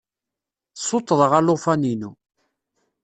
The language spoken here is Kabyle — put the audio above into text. Ssuṭṭḍeɣ alufan-inu.